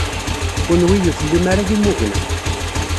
Kenwi ur tellim ara d imugna.